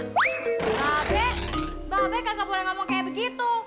mbak be mbak be kan gak boleh ngomong kaya begitu